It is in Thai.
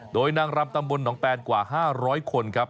โดยนางรำตำบลหนองแปนกว่า๕๐๐คนครับ